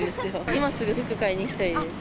今すぐ服買いに行きたいです。